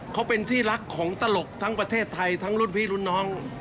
เขาเป็นที่รักของตลกทั้งประเทศไทยทั้งรุ่นพี่รุ่นน้อง